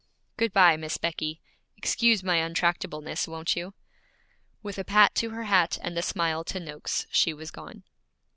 'Good bye, Miss Becky. Excuse my untractableness, won't you?' With a pat to her hat and a smile to Noakes, she was gone.